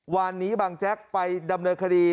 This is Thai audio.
วันนี้บางแจ๊กไปดำเนินคดี